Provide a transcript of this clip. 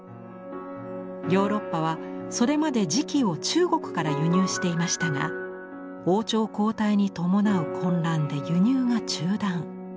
ヨーロッパはそれまで磁器を中国から輸入していましたが王朝交代に伴う混乱で輸入が中断。